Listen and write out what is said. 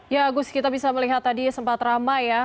ya agus kita bisa melihat tadi sempat ramai ya